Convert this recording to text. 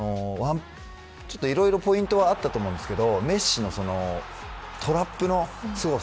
いろいろポイントはあったと思うんですけどメッシのトラップのすごさ。